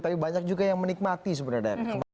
tapi banyak juga yang menikmati sebenarnya daerah